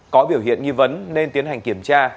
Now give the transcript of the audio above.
có biểu hiện nghi vấn nên tiến hành kiểm tra